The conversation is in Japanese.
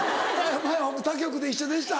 「前他局で一緒でした」